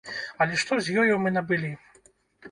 Але што з ёю мы набылі?